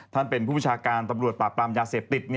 ท่านเป็นผู้ประชาการตำรวจปราบปรามยาเสพติด